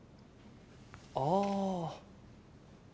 ああ。